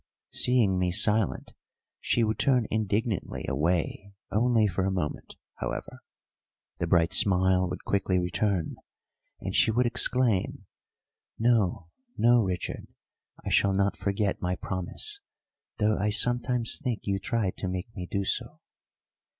Seeing me silent, she would turn indignantly away only for a moment, however; the bright smile would quickly return, and she would exclaim, "No, no, Richard, I shall not forget my promise, though I sometimes think you try to make me do so."